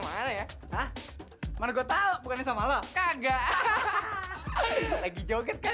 mana ya mana gue tahu bukannya sama lo kagak lagi joget